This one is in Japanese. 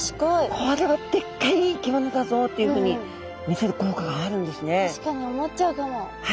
「これはでっかい生き物だぞ」っていうふうに見せる効果があるんですね。